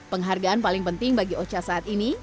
penghargaan paling penting bagi ocha saat ini